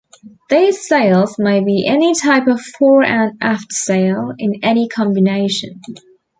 These sails may be any type of fore-and-aft sail, in any combination.